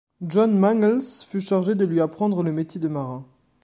John Mangles fut chargé de lui apprendre le métier de marin.